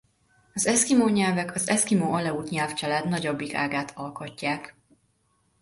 Az eszkimó nyelvek az eszkimó-aleut nyelvcsalád nagyobbik ágát alkotják.